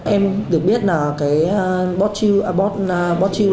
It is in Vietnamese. em được biết là cái botchiu này là một dạng thuốc lá điện tử được tẩm chất kích thích